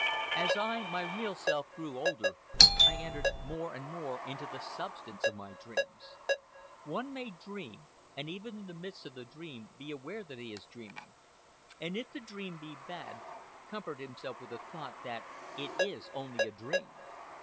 As I, my real self, grew older, I entered more and more into the substance of my dreams. One may dream, and even in the midst of the dream be aware that he is dreaming, and if the dream be bad, comfort himself with the thought that it is only a dream.